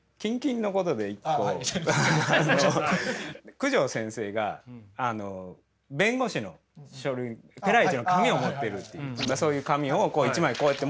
九条先生が弁護士の書類ペライチの紙を持ってるっていうそういう紙を１枚こうやって持ってる。